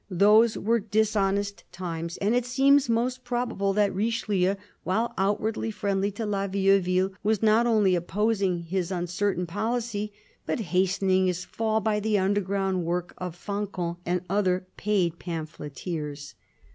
Those were dishonest times ; and 142 CARDINAL DE RICHELIEU it seems most probable that Richelieu, while outwardly friendly to La Vieuville, was not only opposing his uncer tain policy but hastening his fall by the underground work of Fancan and other paid pamphleteers.